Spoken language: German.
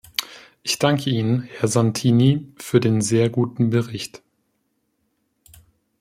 Ich danke Ihnen, Herr Santini, für den sehr guten Bericht.